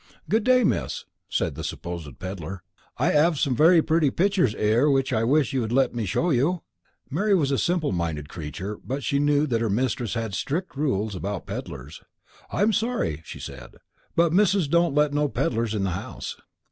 "Good day, Miss," said the supposed pedlar. "I 'ave some very pretty pictures 'ere which I wish you would let me show you." Mary was a simple minded creature, but she knew that her mistress had strict rules about pedlars. "I'm sorry," she said, "but Missus don't let no pedlars in the house."